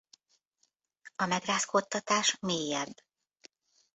A megrázkódtatás mélyebb.